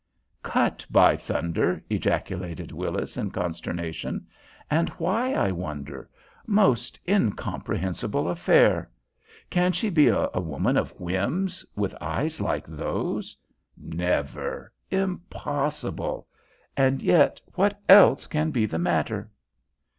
"Cut, by thunder!" ejaculated Willis, in consternation. "And why, I wonder? Most incomprehensible affair. Can she be a woman of whims with eyes like those? Never. Impossible. And yet what else can be the matter?"